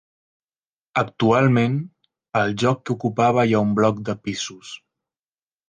Actualment, al lloc que ocupava hi ha un bloc de pisos.